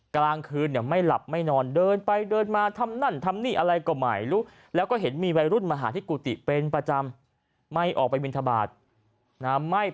กลางคืนเนี่ยไม่หลับไม่นอนเดินไปเดินมาทำนั่นทำนี่อะไรก็ใหม่